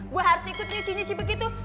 gue harus ikut nyuci nyuci begitu